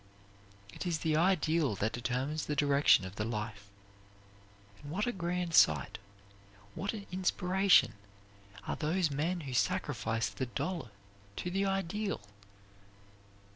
It is the ideal that determines the direction of the life. And what a grand sight, what an inspiration, are those men who sacrifice the dollar to the ideal!